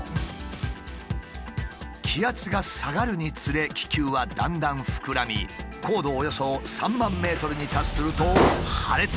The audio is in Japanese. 気圧が下がるにつれ気球はだんだん膨らみ高度およそ３万ｍに達すると破裂する。